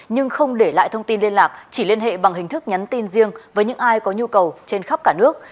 nhưng không để lại thông tin liên lạc chỉ liên hệ bằng hình thức nhắn tin riêng với những ai có nhu cầu trên khắp cả nước